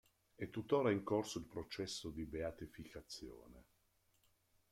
È tuttora in corso il processo di beatificazione.